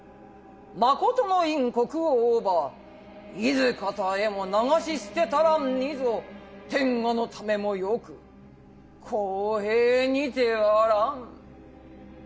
誠の院・国王をば何方へも流し捨てたらんにぞ天下のためも能く公平にてあらん」。